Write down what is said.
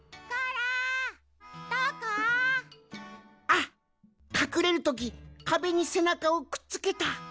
あっかくれるときかべにせなかをくっつけた。